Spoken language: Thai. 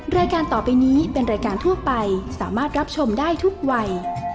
รายการต่อไปนี้เป็นรายการทั่วไปสามารถรับชมได้ทุกวัย